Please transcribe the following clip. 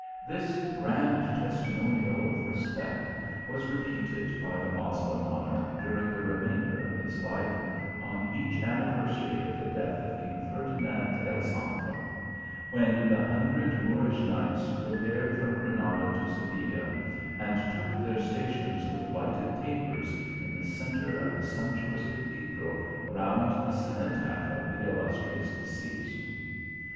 This grand testimonial of respect was repeated by the Moslem monarch during the remainder of his life, on each anniversary of the death of King Fer nando el Santo, when the hundred Moorish knights repaired from Granada to Seville, and took their stations with lighted tapers in the centre of the sumptuous cathedral round the cenotaph of the il lustrious deceased.